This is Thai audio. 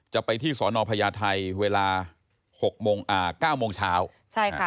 จะไปที่สอนอพญาไทยเวลาหกโมงอ่าเก้าโมงเช้าใช่ค่ะ